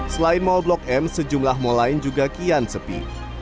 selain mall blok m sejumlah mal lain juga kian sepi